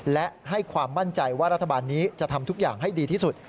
และให้ความมั่นใจว่ารัฐบาลนี้จะทำทุกอย่างให้ดีที่สุด